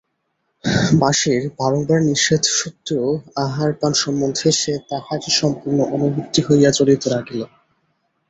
মাসির বারংবার নিষেধসত্ত্বেও আহার-পান সম্বন্ধে সে তাঁহারই সম্পূর্ণ অনুবর্তী হইয়া চলিতে লাগিল।